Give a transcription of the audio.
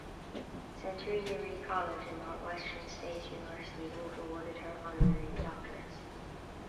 Centenary College and Northwestern State University both awarded her honorary doctorates.